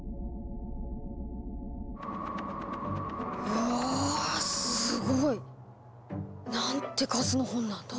うわすごい！なんて数の本なんだ！